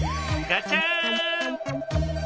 ガチャ！